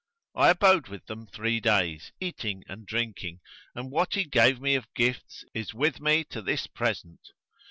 I abode with them three days, eating and drinking, and what he gave me of gifts is with me to this present.